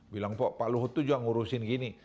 bilang pak luhut itu juga ngurusin gini